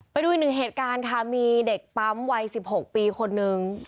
ไปดูอีกหนึ่งเหตุการณ์ค่ะมีเด็กปั๊มวัย๑๖ปีคนนึง